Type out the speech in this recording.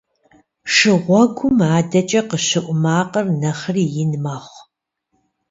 Шыгъуэгум адэкӏэ къыщыӏу макъыр нэхъри ин мэхъу.